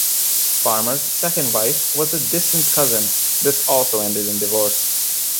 Farmer's second wife was a distant cousin; this also ended in divorce.